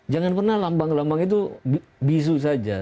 jangan pernah lambang lambang itu bisu saja